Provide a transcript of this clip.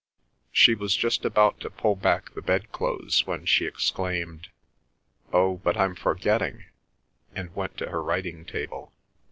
She was just about to pull back the bed clothes when she exclaimed, "Oh, but I'm forgetting," and went to her writing table.